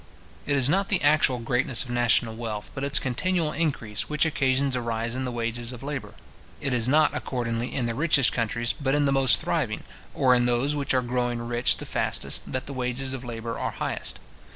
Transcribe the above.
It is not the actual greatness of national wealth, but its continual increase, which occasions a rise in the wages of labour. It is not, accordingly, in the richest countries, but in the most thriving, or in those which are growing rich the fastest, that the wages of labour are highest.